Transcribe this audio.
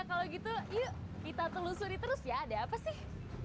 kalau gitu yuk kita telusuri terus ya ada apa sih